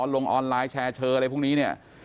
ลงออนไลน์แชร์เชออะไรพวกนี้เนี่ย